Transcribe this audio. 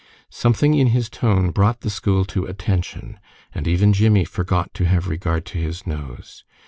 Something in his tone brought the school to attention, and even Jimmie forgot to have regard to his nose.